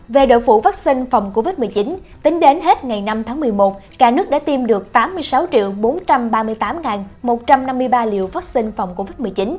về đội phụ vắc xin phòng covid một mươi chín tính đến hết ngày năm tháng một mươi một cả nước đã tiêm được tám mươi sáu bốn trăm ba mươi tám một trăm năm mươi ba liều vắc xin phòng covid một mươi chín